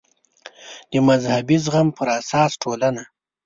د مذهبي زغم پر اساس ټولنه